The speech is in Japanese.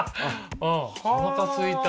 おなかすいた。